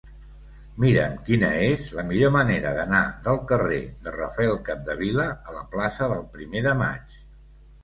Mira'm quina és la millor manera d'anar del carrer de Rafael Capdevila a la plaça del Primer de Maig.